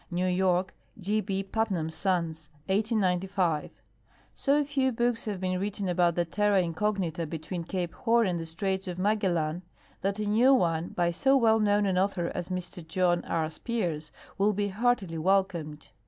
New York : G. P. Putnam's Sons. 1895. So few books have been written about the terra incognita between cape Horn and the straits of Magellan that a new one by so well known an author as Mr John R. Spears will be heartily welcomed.